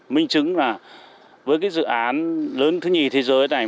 minh chứng với dự án lớn thứ hai thế giới này